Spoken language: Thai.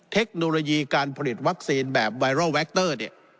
เทคโนโลยีการผลิตวัคซีนแบบไวรัลแวคเตอร์เนี่ย